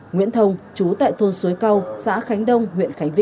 nguyễn thông chú tại thôn xuối câu xã khánh đông huyện khánh vĩnh